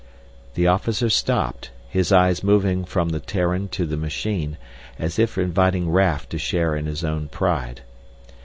The officer stopped, his eyes moving from the Terran to the machine, as if inviting Raf to share in his own pride.